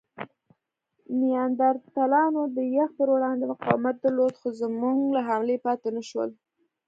نیاندرتالانو د یخ پر وړاندې مقاومت درلود؛ خو زموږ له حملې پاتې نهشول.